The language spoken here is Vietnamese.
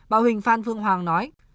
bảo huỳnh phan phương hoàng nói